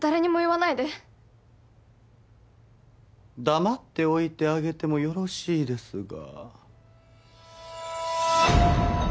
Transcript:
黙っておいてあげてもよろしいですが。